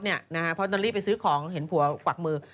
เพราะอิตาลีไปซื้อของเห็นผัวกวักมือ